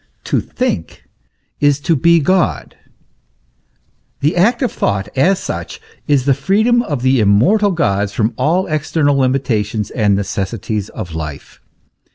To think is to be God. The act of thought, as such, is the freedom of the immortal gods from all external limitations and necessities of life.